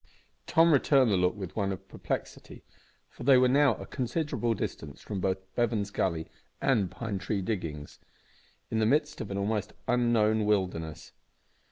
Tom returned the look with one of perplexity, for they were now a considerable distance both from Bevan's Gully and Pine Tree Diggings, in the midst of an almost unknown wilderness.